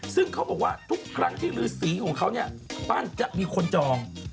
ซึ่งเขาบอกว่าทุกครั้งที่ฤษีของเขาเนี่ยปั้นจะมีคนจอง